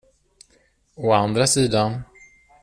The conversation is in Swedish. Å andra sidan.